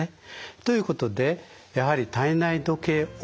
ということでやはり体内時計「を」